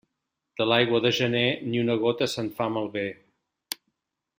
De l'aigua de gener, ni una gota se'n fa malbé.